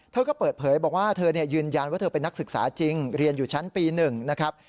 เธอก็เปิดเผยบอกว่าเธอยืนยันว่าเธอเป็นนักศึกษาจริงเรียนอยู่ชั้นปี๑นะครับ